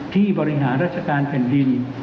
บริหารราชการแผ่นดิน